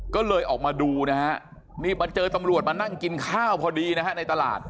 ก็เลยออกมาดูนะฮะนี่มาเจอตำรวจมานั่งกินข้าวพอดีนะฮะในตลาด